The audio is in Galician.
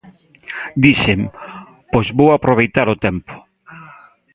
Dixen: 'pois vou aproveitar o tempo'.